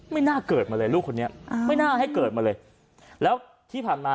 ไม่น่าเกิดมาเลยลูกคนนี้อ่าไม่น่าให้เกิดมาเลยแล้วที่ผ่านมา